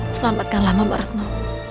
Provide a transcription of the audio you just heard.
selamatkan lama mama retno